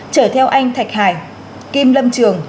chở theo anh thạch hải kim lâm trường